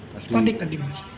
panik tadi mas